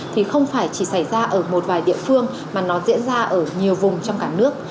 thì không phải chỉ xảy ra ở một vài địa phương mà nó diễn ra ở nhiều vùng trong cả nước